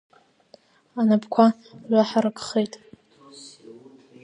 Анапқәа ҩаҳаракхеит.